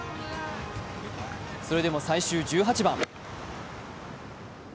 それでも最終１８番。